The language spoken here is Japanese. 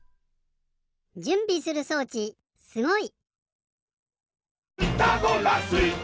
じゅんびする装置すごい！